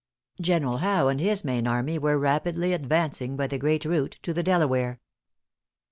General Howe, and his main army, were rapidly advancing by the great route to the Delaware.